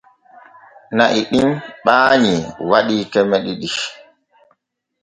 Na'i ɗim ɓaanyi waɗii keme ɗiɗi.